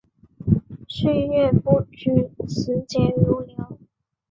岁月不居，时节如流。